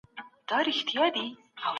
پناه غوښتونکی باید په امن ځای کي وساتل سي.